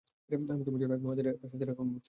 আমি তোমাদের জন্য এক মহা দিনের শাস্তির আশংকা করছি।